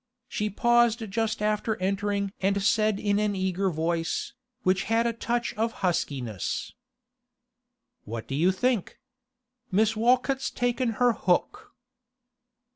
She paused just after entering and said in an eager voice, which had a touch of huskiness: 'What do you think? Miss Walcott's taken her hook!